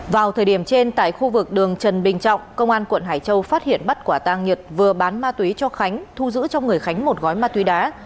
vào thời điểm trên tại khu vực đường trần bình trọng công an quận hải châu phát hiện bắt quả tàng nhật vừa bán ma túy cho khánh thu giữ cho người khánh một gói ma túy đá